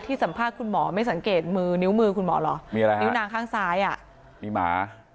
สัมภาษณ์คุณหมอไม่สังเกตมือนิ้วมือคุณหมอเหรอมีอะไรฮะนิ้วนางข้างซ้ายอ่ะมีหมา